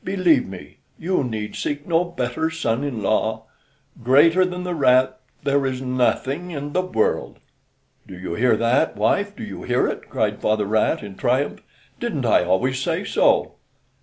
Believe me, you need seek no better son in law; greater than the rat, there is nothing in the world." "Do you hear that, wife, do you hear it?" cried father rat in triumph. "Didn't I always say so?"